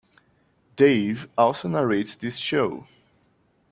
Dave also narrates this show.